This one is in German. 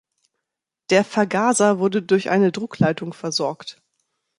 Der Vergaser wurde durch eine Druckleitung versorgt.